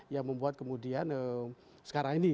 yang membuat kemudian sekarang ini